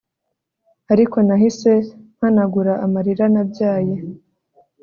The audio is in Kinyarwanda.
Ariko nahise mpanagura amarira nabyaye